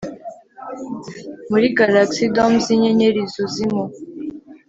muri galaxy domes yinyenyeri zuzimu